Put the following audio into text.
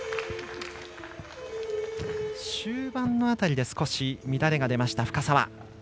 終盤の辺りで少し乱れが出ました深沢。